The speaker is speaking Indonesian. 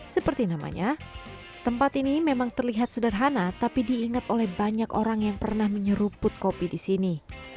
seperti namanya tempat ini memang terlihat sederhana tapi diingat oleh banyak orang yang pernah menyeruput kopi di sini